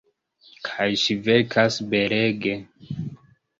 Kaj ŝi verkas belege.